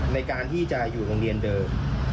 ในการที่จะอยู่โรงเรียนเดิม